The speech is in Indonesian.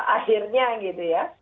akhirnya gitu ya